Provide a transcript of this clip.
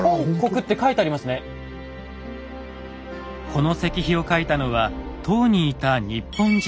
この石碑を書いたのは唐にいた日本人。